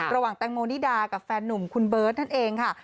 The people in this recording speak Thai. ระหว่างแตงโมนิดากับแฟนหนุ่มคุณเบิร์ตนั่นเองค่ะ